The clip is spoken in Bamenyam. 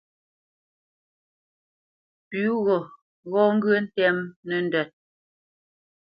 Pʉ̌ gho ghɔ́ ŋgyə̂ ntɛ́mə́ nəndə́t.